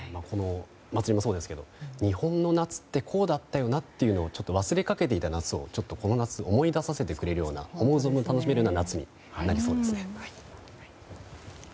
祭りもそうですけど日本の夏ってこうだったよなって忘れかけていた夏をこの夏思い出させてくれるような思う存分楽しませてくれる夏になりそうですね。